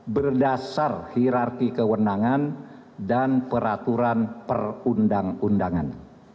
berdasar hirarki kewenangan dan peraturan perundang undangan